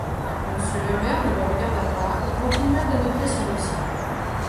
Monsieur le maire ne le regarda pas et continua d’annoter son dossier.